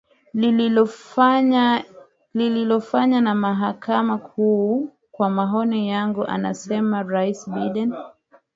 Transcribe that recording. lililofanya na Mahakama Kuu kwa maoni yangu amesema rais Biden